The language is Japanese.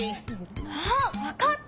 あっわかった！